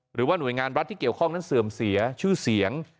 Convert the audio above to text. หรือว่าหน่วยงานรัฐที่เกี่ยวข้องนั้นเสื่อมเสียชื่อเสียง